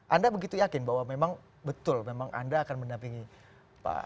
anda begitu yakin bahwa memang betul memang anda akan mendampingi pak